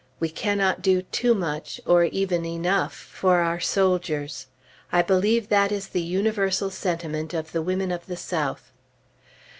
We cannot do too much, or even enough, for our soldiers. I believe that is the universal sentiment of the women of the South.